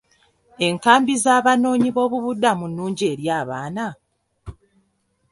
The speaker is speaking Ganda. Enkambi z'Abanoonyi boobubudamu nnungi eri abaana?